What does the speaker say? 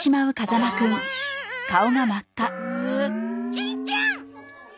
しんちゃん！